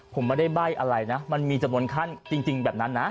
ผมไม่ได้ใบ้อะไรนะมันมีจำนวนขั้นจริงแบบนั้นนะ